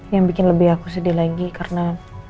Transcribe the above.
yang bikin lebih aku sedih lagi karena